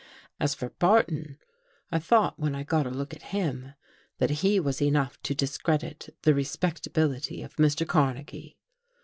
As for Barton, I thought when I got a look at him that he was enough to discredit the respec tability of Mr. Carnegie.